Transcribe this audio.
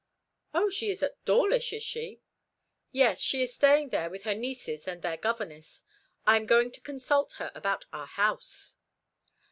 "O, she is at Dawlish, is she?" "Yes; she is staying there with her nieces and their governess. I am going to consult her about our house."